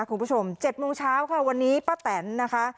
คุณผู้ชม๗โมงเช้าค่ะวันนี้ป้าแตนนะคะ